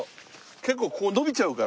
結構こう伸びちゃうから。